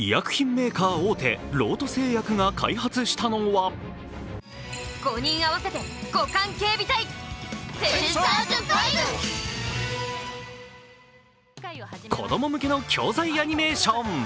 メーカー大手ロート製薬が開発したのは子供向けの教材アニメーション。